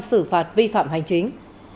xử phạt vi phạm hành chính